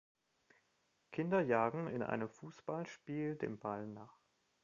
Kinder jagen in einem Fußballspiel dem Ball nach.